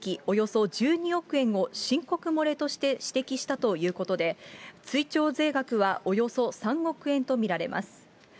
およそ１２億円を申告漏れとして指摘したということで、追徴税額はおよそ３億円と見られます。